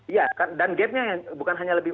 iya dan gapnya bukan hanya lebih